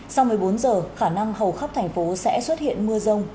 sau một mươi bốn giờ khả năng hầu khắp thành phố sẽ xuất hiện mưa rông